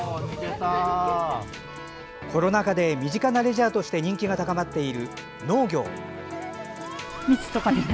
コロナ禍で身近なレジャーとして人気が高まっている農業。